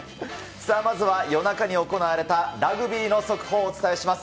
さあ、まずは夜中に行われた、ラグビーの速報をお伝えします。